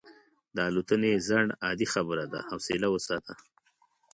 د الوتنې ځنډ عادي خبره ده، حوصله وساته.